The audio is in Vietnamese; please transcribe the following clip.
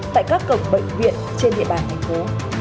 tại các cổng bệnh viện trên địa bàn thành phố